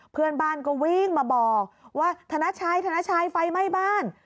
เพื่อนบ้านก็วิ่งมาบอกว่าธนชัยธนชัยไฟไหม้บ้าน